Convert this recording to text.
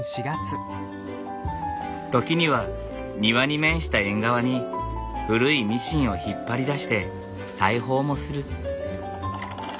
時には庭に面した縁側に古いミシンを引っ張り出して裁縫もする。